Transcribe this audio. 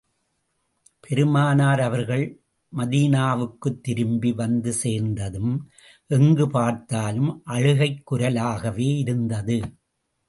பெருமானார் அவர்கள் மதீனாவுக்குத் திரும்பி வந்து சேர்ந்ததும், எங்கு பார்த்தாலும் அழுகைக் குரலாகவே இருந்தது.